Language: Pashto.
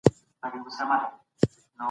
ایا غفور لیوال په مقطعي څېړنو نیوکه وکړه؟